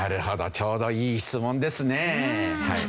ちょうどいい質問ですね。